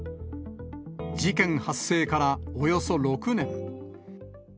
事件発生からおよそ６年。